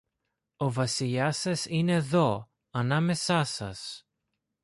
Ο Βασιλιάς σας είναι δω, ανάμεσά σας